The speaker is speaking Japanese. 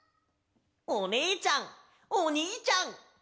おねえちゃんおにいちゃん。